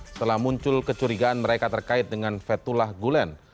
setelah muncul kecurigaan mereka terkait dengan fethullah gulen